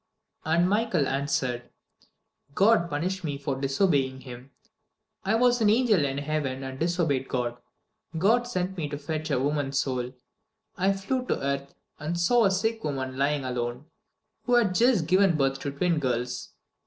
And Michael answered: "God punished me for disobeying Him. I was an angel in heaven and disobeyed God. God sent me to fetch a woman's soul. I flew to earth, and saw a sick woman lying alone, who had just given birth to twin girls.